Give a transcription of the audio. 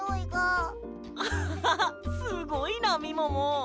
アッハハすごいなみもも。